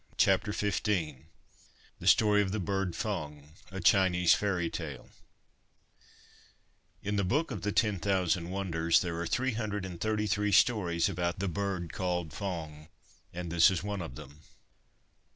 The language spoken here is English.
THE STORY OF THE BIRD FENG THE STORY OF THE BIRD FENG A CHINESE FAIRY TALE IN the Book of the Ten Thousand Wonders there are three hundred and thirty three stories about the bird called Feng, and this is one of them.